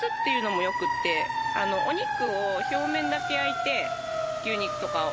お肉を表面だけ焼いて牛肉とかを。